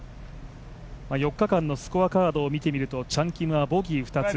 ４日間のスコアカードを見てみるとチャン・キムはボギー２つ。